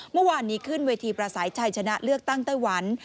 เมื่อวานนี้ขึ้นเวทีประสัยชัยชนะเลือกตั้งไต้หวัน